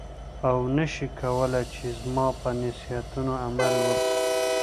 او نه شې کولای چې زما په نصیحتونو عمل وکړې.